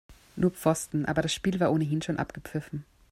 Nur Pfosten, aber das Spiel war ohnehin schon abgepfiffen.